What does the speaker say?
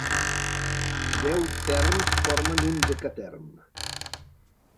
Deu "therms" formen un "decatherm".